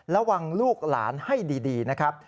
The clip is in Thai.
ลูกหลานให้ดีนะครับ